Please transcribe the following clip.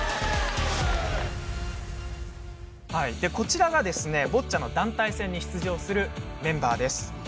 こちらが、ボッチャの団体戦に出場するメンバーです。